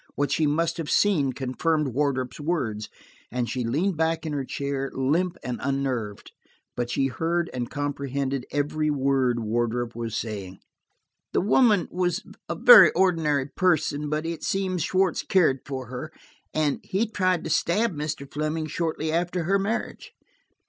What she must have seen confirmed Wardrop's words, and she leaned back in her chair, limp and unnerved. But she heard and comprehended every word Wardrop was saying. "The woman was a very ordinary person, but it seems Schwartz cared for her, and he tried to stab Mr. Fleming shortly after her marriage.